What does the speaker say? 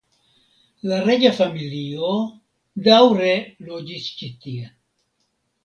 La reĝa familio daŭre loĝis ĉi tie.